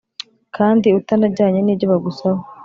kandi utanajyanye nibyo bagusaba,